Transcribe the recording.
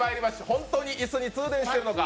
本当に椅子に通電してるのか。